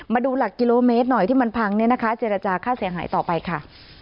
มาดูหลักกิโลเมตรหน่อยที่มันพังเนี่ยนะคะเจรจาค่าเสียหายต่อไปค่ะ